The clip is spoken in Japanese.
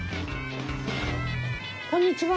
こんにちは。